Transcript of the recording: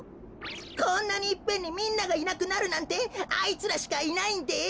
こんなにいっぺんにみんながいなくなるなんてあいつらしかいないんです。